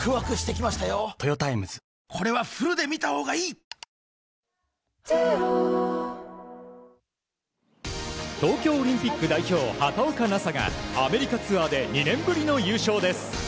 東京海上日動のＤＡＰ東京オリンピック代表畑岡奈紗がアメリカツアーで２年ぶりの優勝です。